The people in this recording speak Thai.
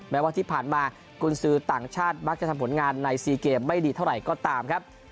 แม้ว่าที่ผ่านมากุญสือต่างชาติมักจะทำผลงานใน๔เกมไม่ดีเท่าไหร่ก็ตามครับ